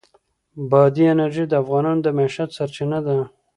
بادي انرژي د افغانانو د معیشت سرچینه ده.